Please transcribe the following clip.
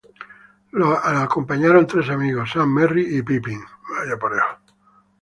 Lo acompañaron tres amigos: Sam, Merry y Pippin.